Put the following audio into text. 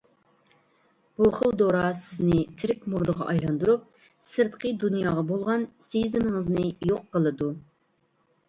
بۇ خىل دورا سىزنى تىرىك مۇردىغا ئايلاندۇرۇپ، سىرتقا دۇنياغا بولغان سېزىمىڭىزنى يوق قىلىدۇ.